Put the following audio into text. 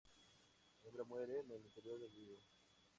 La hembra muere en el interior del higo.